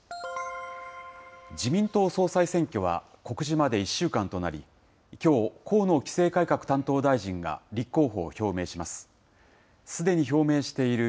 自民党総裁選挙は告示まで１週間となり、きょう、河野規制改革担当大臣が立候補を表明します。